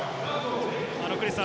クリスさん